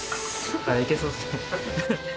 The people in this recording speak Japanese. いけそうですね。